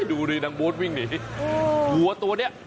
ดูดิหนังโบสต์วิ่งหนีหัวตัวเนี้ย